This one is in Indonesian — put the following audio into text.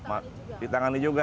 itu ditangani juga